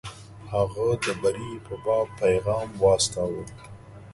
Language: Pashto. هغه د بري په باب پیغام واستاوه.